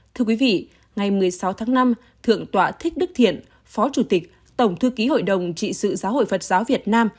thưa quý vị ngày một mươi sáu tháng năm thượng tọa thích đức thiện phó chủ tịch tổng thư ký hội đồng trị sự giáo hội phật giáo việt nam